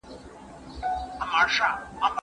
کتاب لوستل ښه تفریح ده.